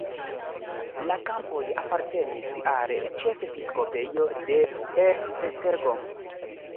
La kampoj apartenis al ĉefepiskopejo de Esztergom.